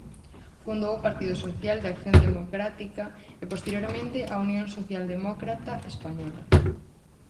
Fundou o Partido Social de Acción Democrática, e posteriormente a Unión Social Demócrata Española.